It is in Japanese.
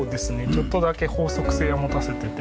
ちょっとだけ法則性を持たせてて。